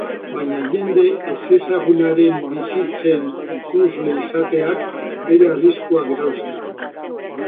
Baina jende ezezagunaren bizitzen ikusle izateak bere arriskuak dauzka...